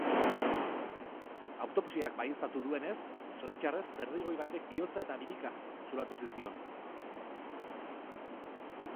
Autopsiak baieztatu duenez, zoritxarrez perdigoi batek bihotza eta birika zulatu zizkion.